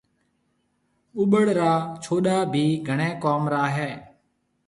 ٻُٻڙ را ڇوُڏآ ڀِي گھڻي ڪوم را هيَ۔